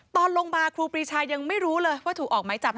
ตอนลงมาครูปรีชายังไม่รู้เลยว่าถูกออกไหมจับ